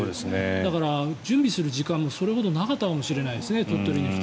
だから、準備する時間もそれほどなかったかもしれないですね。